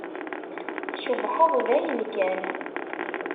Tcebḥeḍ dayen kan!